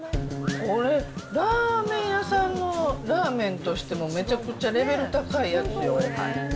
これ、ラーメン屋さんのラーメンとしてもめちゃくちゃレベル高いやつよ